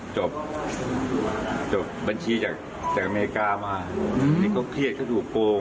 จบจบบัญชีจากอเมริกามานี่ก็เครียดเขาถูกโกง